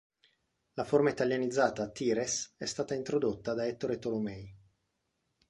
La forma italianizzata "Tires" è stata introdotta da Ettore Tolomei.